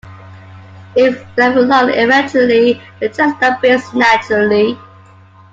If left alone, eventually the chestnut peels naturally.